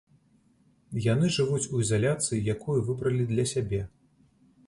Яны жывуць у ізаляцыі, якую выбралі для сябе.